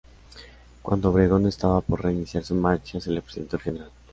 Cuando Obregón estaba por reiniciar su marcha, se le presentó el Gral.